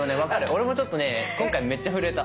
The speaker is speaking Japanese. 俺もちょっとね今回めっちゃ震えた。